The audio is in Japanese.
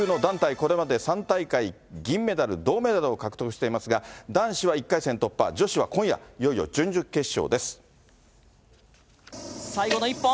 これまで３大会銀メダル、銅メダルを獲得していますが、男子は１回戦突破、女子は今夜、いよいよ準々決勝です。